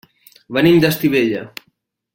Venim d'Estivella.